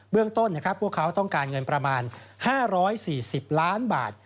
เรื่องต้นพวกเขาต้องการเงินประมาณ๕๔๐ล้านบาท